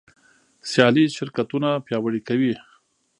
سیالي شرکتونه پیاوړي کوي.